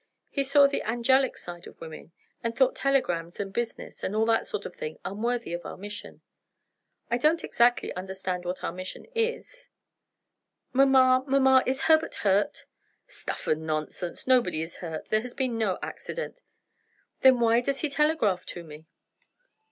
He saw the angelic side of women and thought telegrams and business, and all that sort of thing, unworthy of our mission. I don't exactly understand what our mission is " "Mamma! mamma! is Herbert hurt?" "Stuff and nonsense! Nobody is hurt; there has been no accident." "They why does he telegraph to me?"